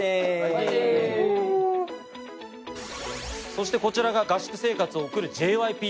そしてこちらが合宿生活を送る。